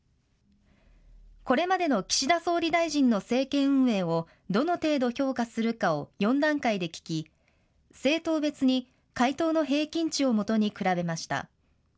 これまでの岸田総理大臣の政権運営をどの程度評価するかを４段階で聞き、政党別に、回答の平均値を基に比べました。